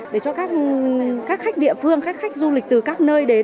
để cho các khách địa phương các khách du lịch từ các nơi đến